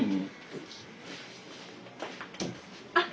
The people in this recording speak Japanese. あっ！